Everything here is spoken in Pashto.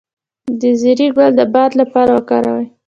د زیرې ګل د باد لپاره وکاروئ